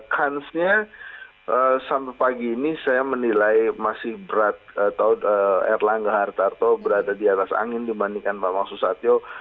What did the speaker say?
kansnya sampai pagi ini saya menilai masih berat atau erlangga hartarto berada di atas angin dibandingkan bapak susatyo